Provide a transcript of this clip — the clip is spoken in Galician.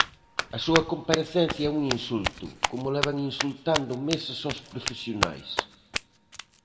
A súa comparecencia é un insulto, como levan insultando meses aos profesionais.